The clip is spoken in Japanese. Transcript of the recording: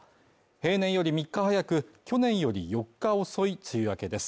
平年より３日早く、去年より４日遅い梅雨明けです。